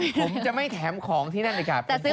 ผมจะไม่แถมของที่นั่นเลยครับ